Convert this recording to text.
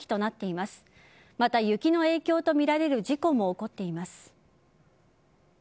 また、雪の影響とみられる事故も起こっています。